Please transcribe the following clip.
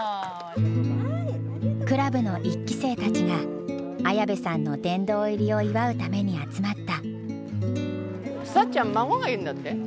クラブの１期生たちが綾部さんの殿堂入りを祝うために集まった。